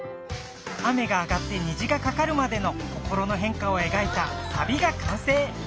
雨があがって虹がかかるまでの心のへんかをえがいたサビが完成。